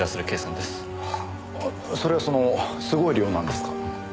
あそれはそのすごい量なんですか？